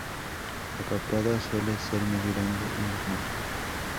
La papada suele ser más grande en los machos.